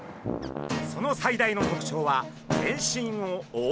その最大の特徴は全身をおおう棘。